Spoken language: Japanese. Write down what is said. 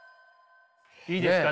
いいですか？